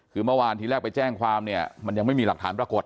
คือเมื่อวานทีแรกไปแจ้งความเนี่ยมันยังไม่มีหลักฐานปรากฏ